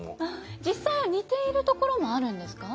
実際は似ているところもあるんですか。